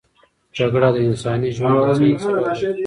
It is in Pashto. جګړه د انساني ژوند د زیان سبب ګرځي.